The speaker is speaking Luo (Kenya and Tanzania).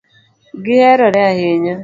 Gi herore ahinya